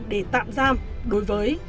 để tạm giam đối với